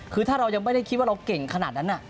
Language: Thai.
คือถ้าเรายังไม่ได้คิดว่าเราเก่งขนาดนั้น